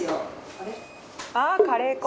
ああカレー粉。